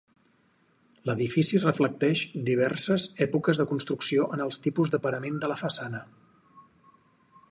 L'edifici reflecteix diverses èpoques de construcció en els tipus de parament de la façana.